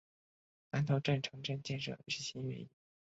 南头镇城镇建设日新月异。